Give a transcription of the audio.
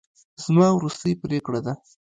زما وروستۍ پرېکړه ده.